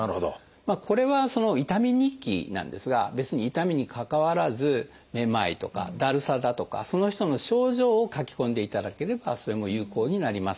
これは「痛み日記」なんですが別に痛みにかかわらずめまいとかだるさだとかその人の症状を書き込んでいただければそれも有効になります。